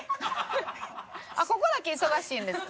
あっここだけ忙しいんですか？